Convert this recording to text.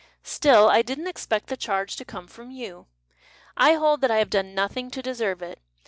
Still, I didn't expect the charge to come from you. I hold that I have done nothing to deserve it.